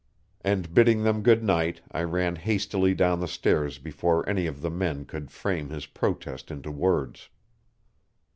And bidding them good night I ran hastily down the stairs before any of the men could frame his protest into words.